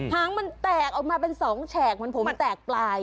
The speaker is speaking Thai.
หางมันแตกออกมาเป็น๒แฉกเหมือนผมแตกปลาย